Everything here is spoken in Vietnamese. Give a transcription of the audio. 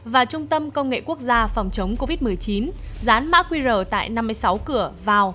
và trung tâm công nghệ quốc gia phòng chống covid một mươi chín dán mã qr tại năm mươi sáu cửa vào